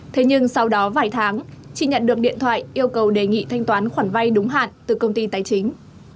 thế nhưng sau đó vài tháng chị nhận được điện thoại yêu cầu đề nghị thanh toán khoản vay đúng hạn từ công ty tài chính